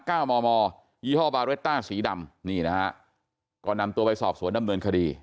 เก้ามอมอยี่ห้อบาเรตต้าสีดำนี่นะฮะก็นำตัวไปสอบสวนดำเนินคดี